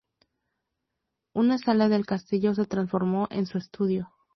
Una sala del castillo se transformó en su estudio.